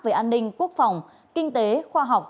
về an ninh quốc phòng kinh tế khoa học